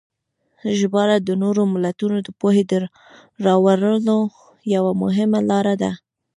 ژباړه د نورو ملتونو د پوهې د راوړلو یوه مهمه لاره ده.